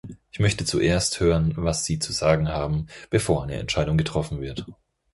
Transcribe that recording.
Ich möchte zuerst hören, was sie zu sagen haben, bevor eine Entscheidung getroffen wird.